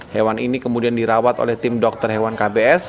hewan ini kemudian dirawat oleh tim dokter hewan kbs